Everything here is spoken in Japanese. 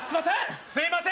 すいません